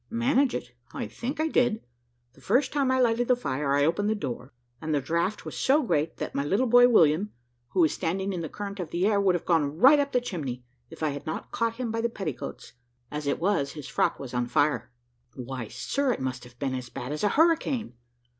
"Manage it I think I did. The first time I lighted the fire, I opened the door, and the draught was so great, that my little boy William, who was standing in the current of air, would have gone right up the chimney, if I had not caught him by the petticoats; as it was, his frock was on fire." "Why, sir, it must have been as bad as a hurricane!"